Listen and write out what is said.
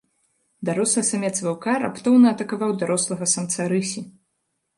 Дарослы самец ваўка раптоўна атакаваў дарослага самца рысі.